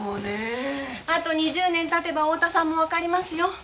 あと２０年経てば太田さんもわかりますよ。